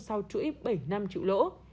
sau chuỗi ít bảy mươi năm triệu lỗ